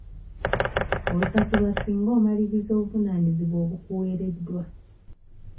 Osasulwa singa omaliriza obuvunaanyizibwa obukuwereddwa.